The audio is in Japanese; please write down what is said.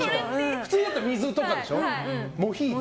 普通だったら水とかでしょ。